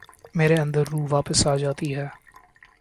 میرے اندر روح واپس آ جاتی ہے ۔